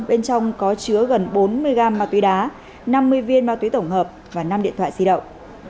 bên trong có chứa gần bốn mươi gram ma túy đá năm mươi viên ma túy tổng hợp và năm điện thoại di động